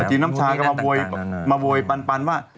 กินน้ำชาก็มาโวยมาโวยปันว่า